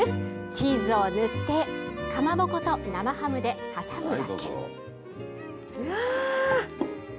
チーズを塗ってかまぼこと生ハムで挟むだけ。